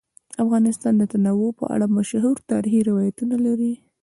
افغانستان د تنوع په اړه مشهور تاریخی روایتونه لري.